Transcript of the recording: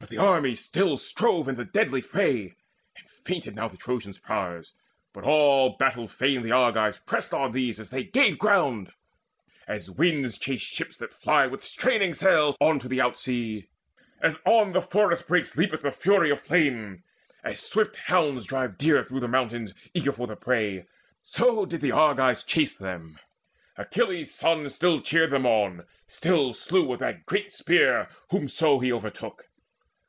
But the armies still Strove in the deadly fray; and fainted now The Trojans' prowess; but all battle fain The Argives pressed on these as they gave ground. As winds chase ships that fly with straining sails On to the outsea as on forest brakes Leapeth the fury of flame as swift hounds drive Deer through the mountains, eager for the prey, So did the Argives chase them: Achilles' son Still cheered them on, still slew with that great spear Whomso he overtook.